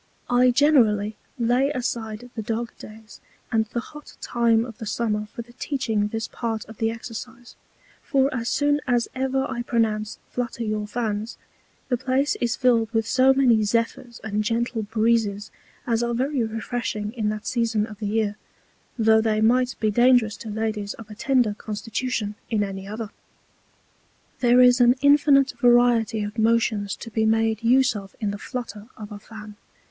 I generally lay aside the Dog days and the hot Time of the Summer for the teaching this Part of the Exercise; for as soon as ever I pronounce Flutter your Fans, the Place is fill'd with so many Zephyrs and gentle Breezes as are very refreshing in that Season of the Year, tho' they might be dangerous to Ladies of a tender Constitution in any other. There is an infinite variety of Motions to be made use of in the Flutter of a Fan.